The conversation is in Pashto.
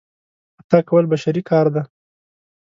خطا کول بشري کار دی.